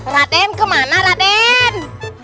raden kemana raden